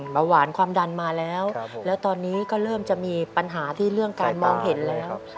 เบาหวานความดันมาแล้วแล้วตอนนี้ก็เริ่มจะมีปัญหาที่เรื่องการมองเห็นแล้ว